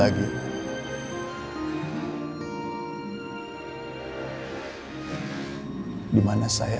aku ingin'rekan saling bersama